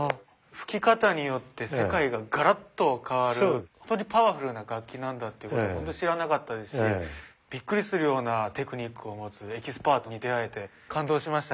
吹き方によって世界ががらっと変わるホントにパワフルな楽器なんだっていうこと知らなかったですしびっくりするようなテクニックを持つエキスパートに出会えて感動しました。